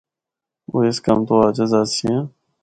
او اس کم تو عاجز آسیاں۔